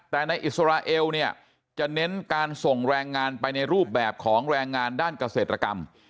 แต่ในอิสราเอลเนี่ยจะเน้นการส่งแรงงานไปในรูปแบบของแรงงานด้านเกษตรกรรม